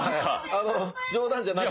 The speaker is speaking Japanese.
冗談じゃなく。